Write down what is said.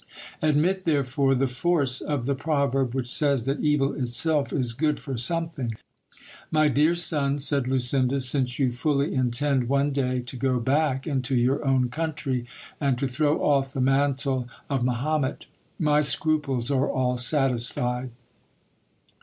Admit, therefore, the force of the proverb, which says that evil itself is good for something. My dear son, said Lucinda, since you fully intend one day to go back into your own country, and to throw off the mantie of Mahomet, my scruples are all satisfied.